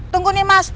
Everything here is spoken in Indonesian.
tunggu nih mas